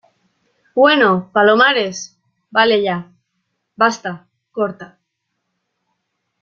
bueno, Palomares , vale ya. basta , corta .